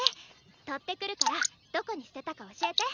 取ってくるからどこに捨てたか教えて。